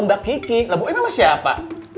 mbak kiki labuin sama siapa